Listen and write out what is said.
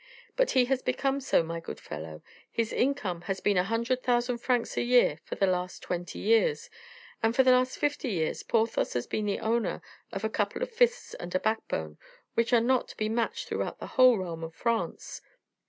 "But he has become so, my good fellow; his income has been a hundred thousand francs a year for the last twenty years, and for the last fifty years Porthos has been the owner of a couple of fists and a backbone, which are not to be matched throughout the whole realm of France.